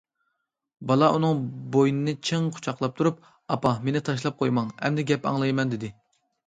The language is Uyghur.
بالا ئۇنىڭ بوينىنى چىڭ قۇچاقلاپ تۇرۇپ: ئاپا مېنى تاشلاپ قويماڭ، ئەمدى گەپ ئاڭلايمەن، دېدى.